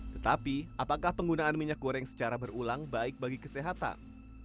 tetapi apakah penggunaan minyak goreng secara berulang baik bagi kesehatan